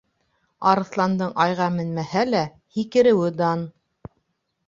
Арыҫландың айға менмәһә лә, һикереүе дан.